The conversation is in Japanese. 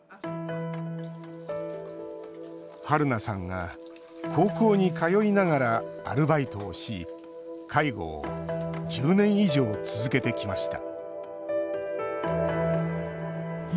はるなさんが高校に通いながらアルバイトをし介護を１０年以上続けてきました